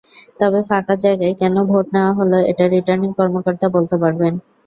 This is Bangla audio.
তবে ফাঁকা জায়গায় কেন ভোট নেওয়া হলো, এটা রিটার্নিং কর্মকর্তা বলতে পারবেন।